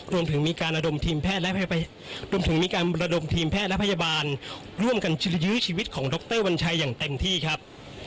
รวมถึงมีการระดมทีมแพทยบาลร่วมกันยื้อชีวิตของดรวัญชัยอย่างเต็มที่ครับ